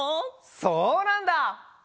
そうなんだ！